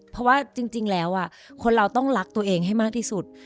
เพราะว่าจริงแล้วคนเราต้องรักตัวเองให้มากที่สุด